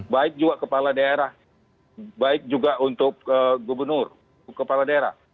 baik juga kepala daerah baik juga untuk gubernur kepala daerah